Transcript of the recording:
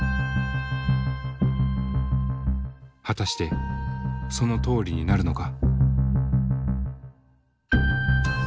果たしてそのとおりになるのか。